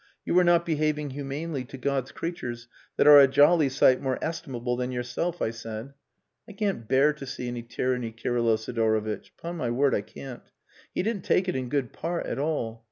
'You are not behaving humanely to God's creatures that are a jolly sight more estimable than yourself,' I said. I can't bear to see any tyranny, Kirylo Sidorovitch. Upon my word I can't. He didn't take it in good part at all.